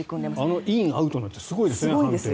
あのイン、アウトなんて判定すごいですよね。